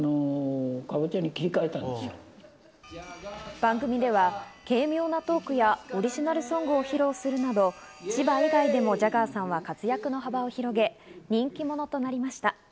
番組では軽妙なトークやオリジナルソングを披露するなど、千葉以外でもジャガーさんは活躍の幅を広げ人気者となりました。